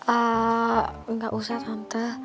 eee gak usah tante